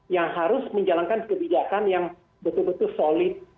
yang harus menjalankan kebijakan yang betul betul solid